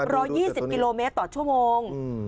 รอ๒๐กิโลเมตรต่อชั่วโมง